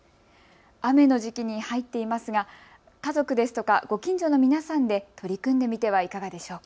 雨の時期に入っていますが家族ですとかご近所の皆さんで取り組んでみてはいかがでしょうか。